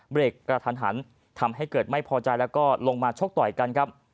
เบรกกระทันหันทำให้เกิดไม่พอใจแล้วก็ลงมาชกต่อยกันครับ